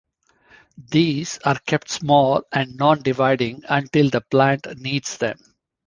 These are kept small and non-dividing until the plant needs them.